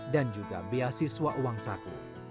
dan juga beasiswa uang saku